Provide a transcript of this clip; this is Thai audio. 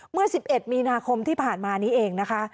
เมื่อ๑๑มีนาคมที่ผ่านมานี้เองนะคะ